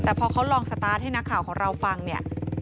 แต่พอเขาลองสตาร์ทให้นักข่าวของเราฟังเนี่ย